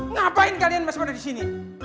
ngapain kalian masih berada di sini